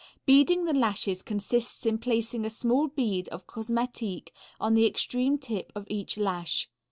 Beading the lashes consists in placing a small bead of cosmetique on the extreme tip of each lash.